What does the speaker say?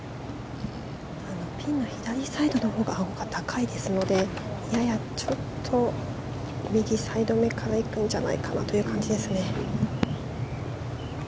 ピンの左のほうがあごが高いですのでややちょっと右サイドめから行くんじゃないかなという感じですね。